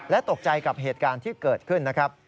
ตกใจกับเหตุการณ์ที่เกิดขึ้นนะครับ